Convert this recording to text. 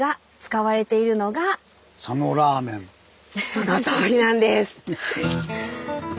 そのとおりなんです！